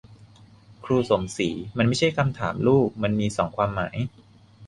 ครูสมศรี : มันไม่ใช่คำถามลูก มันมีสองความหมาย